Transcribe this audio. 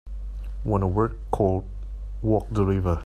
Want a work called Walk the River